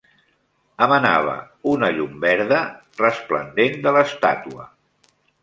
Emanava una llum verda resplendent de l'estàtua.